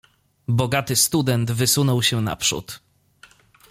"Bogaty student wysunął się naprzód."